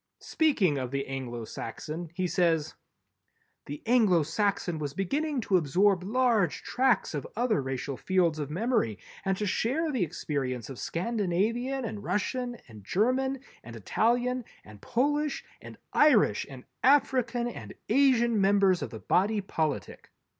Speaking of the Anglo Saxon he says: "_The Anglo Saxon was beginning to absorb large tracts of other racial fields of memory and to share the experience of Scandinavian and Russian and German and Italian and Polish and Irish and African and Asian members of the body politic.